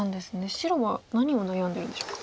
白は何を悩んでるんでしょうか。